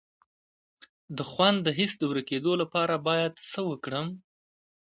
د خوند د حس د ورکیدو لپاره باید څه وکړم؟